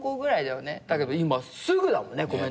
だけど今すぐだもんねコメント。